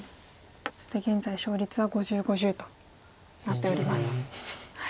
そして現在勝率は５０５０となっております。